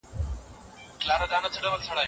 موږ له ډاره ماڼۍ ړنګوو.